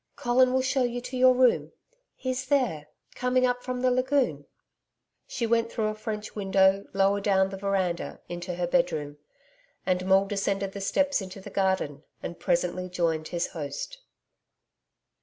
'Colin will show you your room. He's there coming up from the lagoon.' She went through a French window lower down the veranda into her bedroom, and Maule descended the steps into the garden and presently joined his host.